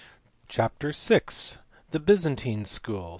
118 CHAPTER VI. THE BYZANTINE SCHOOL.